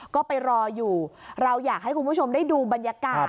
ก็ไปรออยู่เราอยากให้คุณผู้ชมได้ดูบรรยากาศ